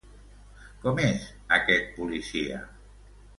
Com és aquest policia?